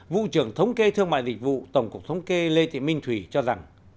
vụ trưởng thống kê thương mại dịch vụ tổng cục thống kê lê thị minh thùy cho rằng